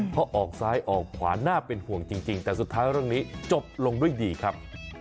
เพราะออกซ้ายออกขวาน่าเป็นห่วงจริงแต่สุดท้ายเรื่องนี้จบลงด้วยดีครับ